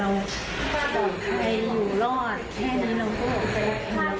แค่คนของเราให้อยู่รอดแค่นี้เราก็โอเคแล้วค่ะ